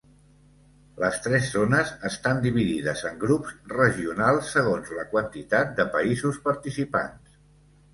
Les tres zones estan dividides en grups regionals segons la quantitat de països participants.